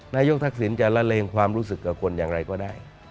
นายกทักษิณจะละเลงความรู้สึกกับคนอย่างไรก็ได้